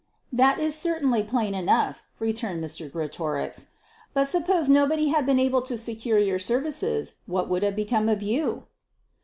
"That is certainly plain enough," returned Mr. Greatorex. "But suppose nobody had been able to secure your services, what would have become of you?"